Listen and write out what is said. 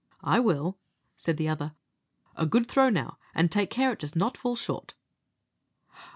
"I will," said the other; "a good throw now, and take care it does not fall short."